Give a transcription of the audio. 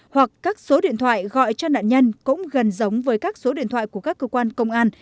hoặc các số điện thoại gọi cho nạn nhân cũng gần giống với các số điện thoại của các cơ quan công an